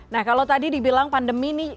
nah kalau tadi dibilang pandemi nih